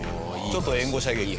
ちょっと援護射撃を。